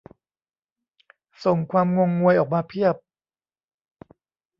"ส่งความงงงวยออกมาเพียบ"